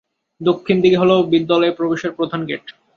দক্ষিণ দিকে হলো বিদ্যালয়ে প্রবেশের প্রধান গেট।